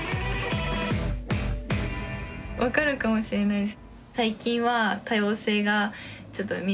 分かるかもしれないです。